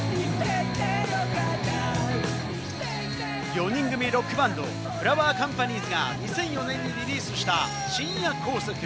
４人組ロックバンド・フラワーカンパニーズが２００４年にリリースした『深夜高速』。